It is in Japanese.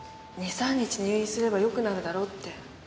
２３日入院すればよくなるだろうって。